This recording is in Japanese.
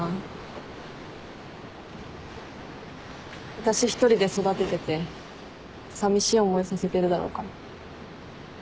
私一人で育てててさみしい思いさせてるだろうから。